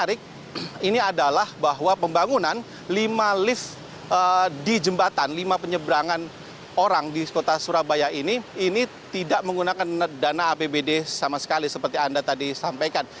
ini adalah bahwa pembangunan lima lift di jembatan lima penyeberangan orang di kota surabaya ini ini tidak menggunakan dana apbd sama sekali seperti anda tadi sampaikan